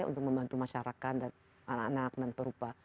untuk membantu masyarakat dan anak anak dan perupa